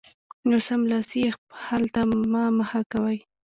نو سملاسي یې حل ته مه مخه کوئ